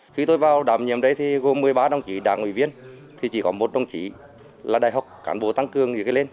khi tôi vào đảm nhiệm đấy thì gồm một mươi ba đồng chí đảng ủy viên thì chỉ có một đồng chí là đại học cản bộ tăng cương thì có lên